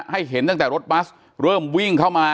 เห็นตั้งแต่รถบัสเริ่มวิ่งเข้ามา